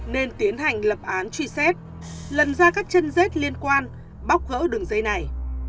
nên tiến hành lập án truy xét lần ra các chân rết liên quan bóc gỡ đường dây này